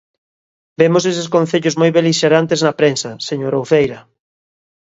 Vemos eses concellos moi belixerantes na prensa, señora Uceira.